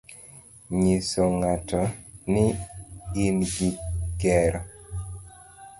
nyiso ng'ato ni in gi gero.